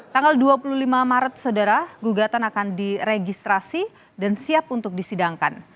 tanggal dua puluh lima maret saudara gugatan akan diregistrasi dan siap untuk disidangkan